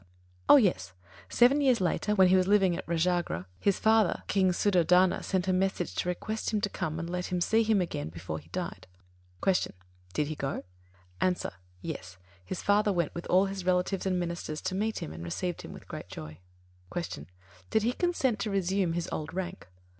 Oh yes, seven years later, while he was living at Rājagrha, his father. King Suddhodana, sent a message to request him to come and let him see him again before he died. 86. Q. Did he go? A. Yes. His father went with all his relatives and ministers to meet him and received him with great joy. 87. Q. _Did he consent to resume his old rank?